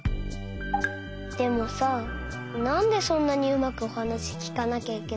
でもさなんでそんなにうまくおはなしきかなきゃいけないの？